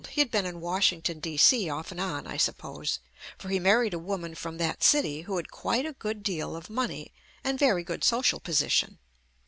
He had been in Washington, D. C, off and on I suppose, for he married a woman from that city who had quite a good deal of money and very good so cial position.